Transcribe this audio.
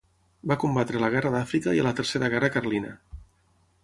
Va combatre a la Guerra d'Àfrica i a la Tercera Guerra Carlina.